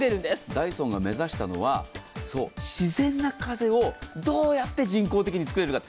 ダイソンが目指したのは自然な風をどうやって人工的に作れるか。